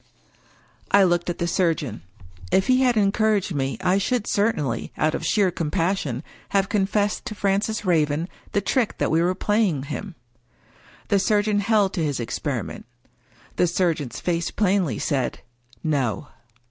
I looked at the surgeon. If he had encouraged me, I should certainly, out of sheer compassion, have confessed to Francis Raven the trick that we were playing him. The surgeon held to his experiment; the surgeon's face plainly said—" No."